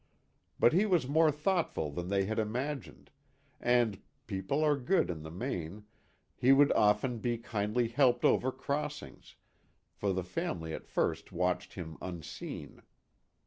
But he was more thoughtful than they had imagined, and people are good in the main he would often be kindly helped over crossings, for the family at first watched him unseen.